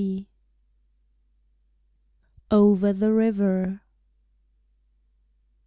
OVER THE RIVER.